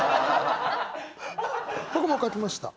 僕も書きました。